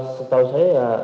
setahu saya ya